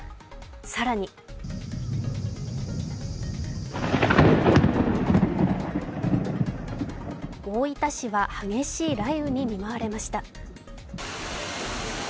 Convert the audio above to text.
更に大分市は激しい雷雨に見舞われました。